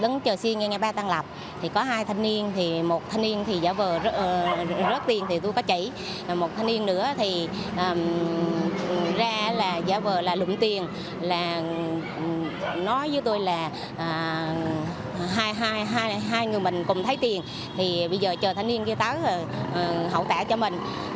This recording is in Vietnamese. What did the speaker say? nói với tôi là hai người mình cùng thấy tiền thì bây giờ chờ thánh niên kia tới hậu tả cho mình